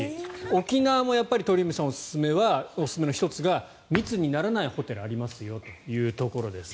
沖縄も鳥海さんおすすめの１つが密にならないホテルがありますよというところです。